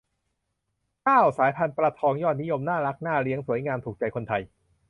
เก้า สายพันธุ์ปลาทองยอดนิยม น่ารัก น่าเลี้ยง สวยงาม ถูกใจคนไทย